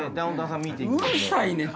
うるさいねんて！